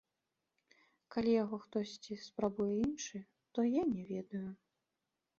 Калі яго хтосьці спрабуе іншы, то я не ведаю.